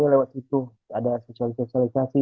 lewat situ ada sosialisasi